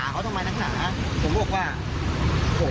มันก็เลยกลายเป็นว่าเหมือนกับยกพวกมาตีกัน